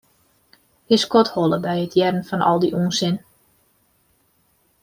Hy skodholle by it hearren fan al dy ûnsin.